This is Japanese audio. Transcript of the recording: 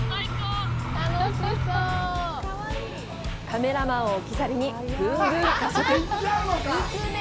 カメラマンを置き去りにぐんぐん加速！